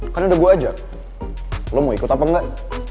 kan ada gua ajak lo mau ikut apa enggak